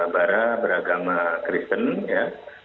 bara beragama kristen ya